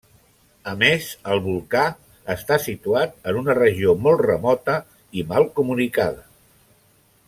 A més, el volcà està situat en una regió molt remota i mal comunicada.